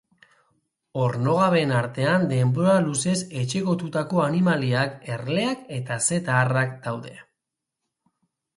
Ornogabeen artean denbora luzez etxekotutako animaliak erleak eta zeta-harrak daude.